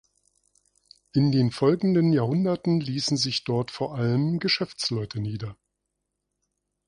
In den folgenden Jahrhunderten ließen sich dort vor allem Geschäftsleute nieder.